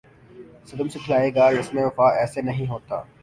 ستم سکھلائے گا رسم وفا ایسے نہیں ہوتا